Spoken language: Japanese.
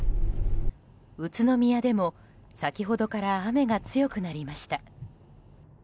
宇都宮でも先ほどから雨が強くなりました。